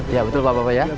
iya betul pak bapak ya